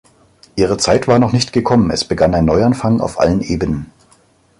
Ihre Zeit war noch nicht gekommen, es begann ein Neuanfang auf allen Ebenen.